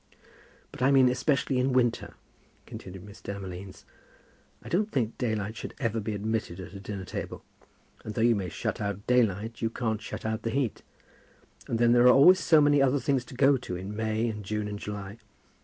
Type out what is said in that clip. "But I mean especially in winter," continued Miss Demolines. "I don't think daylight should ever be admitted at a dinner table; and though you may shut out the daylight, you can't shut out the heat. And then there are always so many other things to go to in May and June and July.